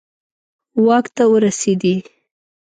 واک ته ورسېدي.